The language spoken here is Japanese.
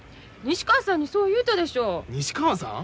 西川さんにそう言うたでしょう。